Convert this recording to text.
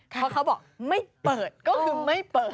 เพราะเขาบอกไม่เปิดก็คือไม่เปิด